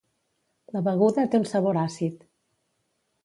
La beguda té un sabor àcid.